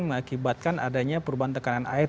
mengakibatkan adanya perubahan tekanan air